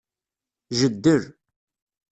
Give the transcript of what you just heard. Jeddel.